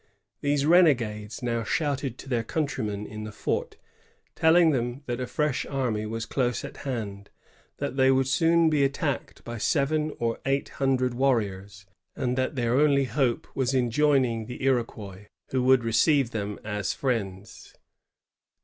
These renegades now shouted to their counttymen in the fort, telling them that a fresh army was close at hand ; that they would soon be attacked by seven or eight hundred warriors; and that their only hope was in joining the Iroquois, who would receive them as friends.